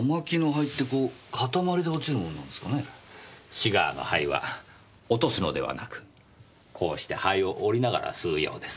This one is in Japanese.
シガーの灰は落とすのではなくこうして灰を折りながら吸うようです。